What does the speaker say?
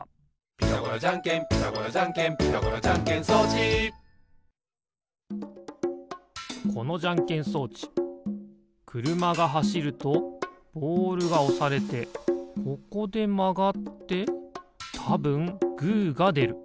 「ピタゴラじゃんけんピタゴラじゃんけん」「ピタゴラじゃんけん装置」このじゃんけん装置くるまがはしるとボールがおされてここでまがってたぶんグーがでる。